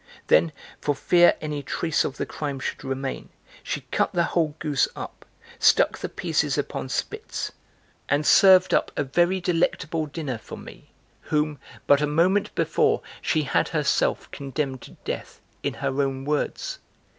Then, for fear any trace of the crime should remain, she cut the whole goose up, stuck the pieces upon spits, and served up a very delectable dinner for me, whom, but a moment before, she had herself condemned to death, in her own words!